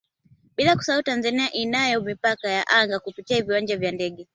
Bila kusahau Tanzania inayo Mipaka ya Anga kupitia viwanja vya ndege